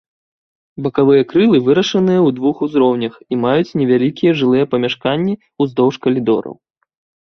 Бакавыя крылы вырашаныя ў двух узроўнях і маюць невялікія жылыя памяшканні ўздоўж калідораў.